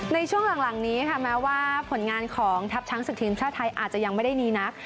ในช่วงหลังนี้ค่ะแม้ว่าผลงานของทัพช้างศึกทีมชาติไทยอาจจะยังไม่ได้ดีนัก